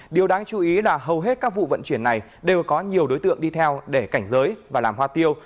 điều đáng chú ý là hầu hết các vụ vận chuyển này đều có nhiều đối tượng đi theo để cảnh giới và làm hoa tiêu